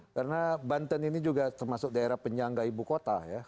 karena banten ini juga termasuk daerah penyangga ibu kota ya